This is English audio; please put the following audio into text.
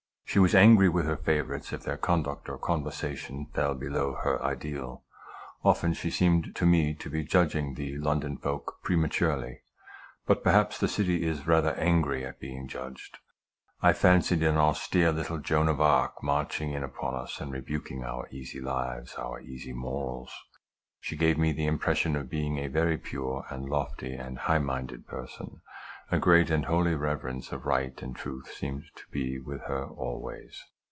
She was angry with her favorites if their conduct or conversation fell below her ideal. Often she seemed to me to be judging the London folk prematurely ; but perhaps the city is rather angry at being judged. I fancied an austere little Joan of Arc marching in upon us, and rebuking our easy lives, our easy morals. She gave me the impression of being a very pure, and lofty, and high minded person. A great and holy reverence of right and truth seemed to be with her always.